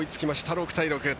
６対６。